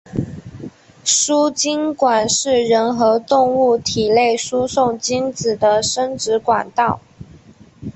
输精管是人和动物体内输送精子的生殖管道。